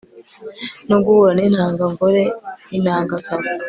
no guhura n'intangangore intangangabo